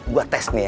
gue tes nih ya